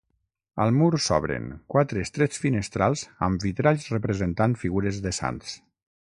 Al mur s'obren quatre estrets finestrals amb vitralls representant figures de sants.